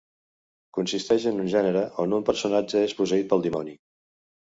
Consisteix en un gènere on un personatge és posseït pel dimoni.